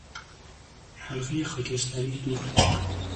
حلقهی خاکستری دود